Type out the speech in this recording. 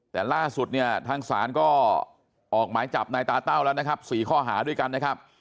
แต่ล่าสุดเนี่ยทางศาลก็ออกหมายจับนายตาเต้าแล้วนะครับ๔ข้อหาด้วยกันนะครับ